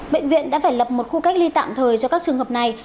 bệnh viện đã phải lập một khu cách ly tạm thời cho các trường hợp này